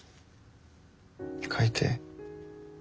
書いて。